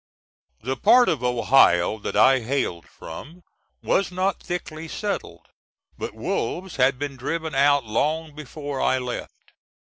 The part of Ohio that I hailed from was not thickly settled, but wolves had been driven out long before I left.